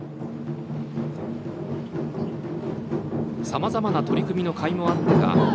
さまざまな取り組みのかいもあってか